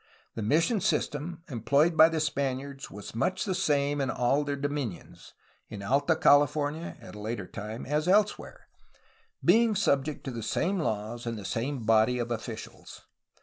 The mission system employed by the Spaniards was much the same in all of their dominions, in Alta California (at a later time) as elsewhere, being subject to the same laws and the same body of officials.